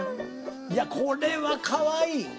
いやこれはかわいい！